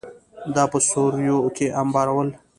دا په سوریو کې انبارول